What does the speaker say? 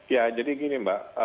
ya jadi gini mbak